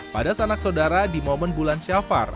pada sanak saudara di momen bulan syafar